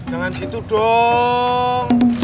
jangan gitu dong